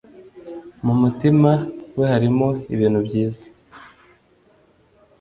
mu mutima we harimo ibintu byiza